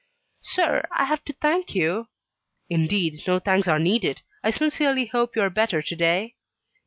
"Sir, I have to thank you " "Indeed, no thanks are needed. I sincerely hope you are better to day?"